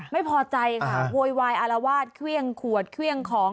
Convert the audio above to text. ไม่พอใจค่ะโวยวายอารวาสเครื่องขวดเครื่องของ